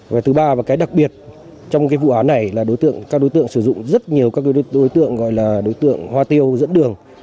và thứ ba và cái đặc biệt trong vụ án này là đối tượng các đối tượng sử dụng rất nhiều các đối tượng gọi là đối tượng hoa tiêu dẫn đường